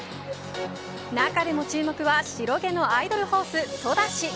中でも注目は白毛のアイドルホースソダシ。